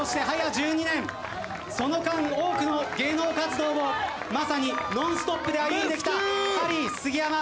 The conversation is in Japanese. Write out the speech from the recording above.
その間多くの芸能活動をまさにノンストップで歩んできたハリー杉山。